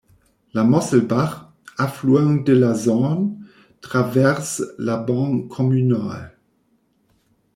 La Mosselbach, affluent de la Zorn, traverse le ban communal.